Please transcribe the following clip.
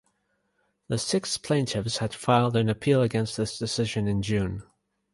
The six plaintiffs had filed an appeal against this decision in June.